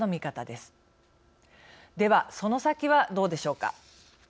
では、その先はどうでしょうか。